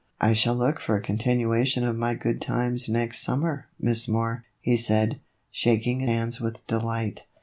" I shall look for a continuation of my good times next summer, Miss Moore," he said, shaking hands with Delight.